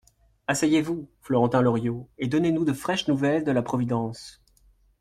Asseyez-vous, Florentin Loriot, et donnez-nous de fraîches nouvelles de la Providence.